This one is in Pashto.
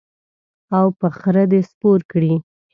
او په خره دې سپور کړي.